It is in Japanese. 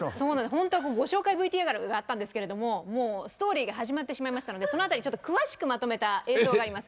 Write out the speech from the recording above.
本当はご紹介ＶＴＲがあったんですけれどももうストーリーが始まってしまいましたのでそのあたりちょっと詳しくまとめた映像があります。